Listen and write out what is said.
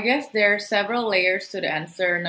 jadi saya rasa ada beberapa lapisan jawaban